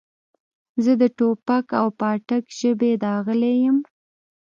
زه د ټوپک او پاټک ژبې داغلی یم.